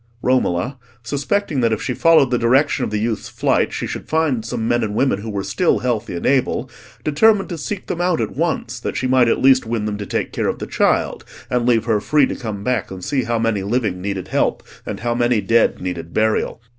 Romola, suspecting that if she followed the direction of the youth's flight, she should find some men and women who were still healthy and able, determined to seek them out at once, that she might at least win them to take care of the child, and leave her free to come back and see how many living needed help, and how many dead needed burial.